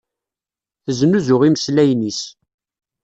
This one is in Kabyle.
Teznuzu imeslayen-is.